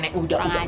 nenek udah udah